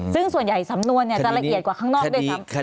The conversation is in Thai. ซึ่งส่วนใหญ่สำนวนจะละเอียดกว่าข้างนอกด้วยซ้ำ